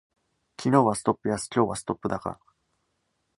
昨日はストップ安、今日はストップ高